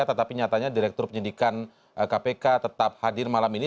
tetapi nyatanya direktur penyidikan kpk tetap hadir malam ini